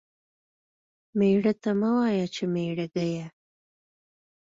ميړه ته مه وايه چې ميړه گيه.